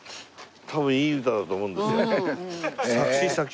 多分いい歌だと思うんですよ。